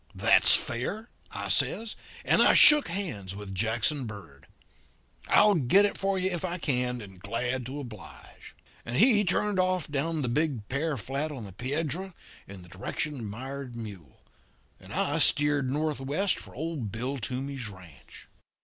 "'That's fair,' I says, and I shook hands with Jackson Bird. 'I'll get it for you if I can, and glad to oblige.' And he turned off down the big pear flat on the Piedra, in the direction of Mired Mule; and I steered northwest for old Bill Toomey's ranch.